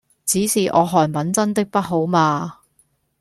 只是我韓文真的不好嘛